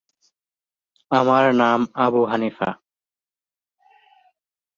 এ সুযোগে তারা সেতুতে বিস্ফোরক স্থাপন করলেন।